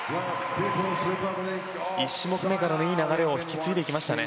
１種目めからのいい流れを引き継いでいきましたね。